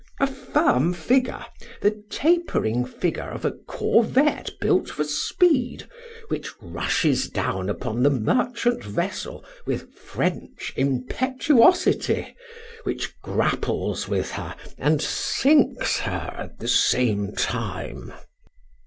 "A firm figure, the tapering figure of a corvette built for speed, which rushes down upon the merchant vessel with French impetuosity, which grapples with her and sinks her at the same time."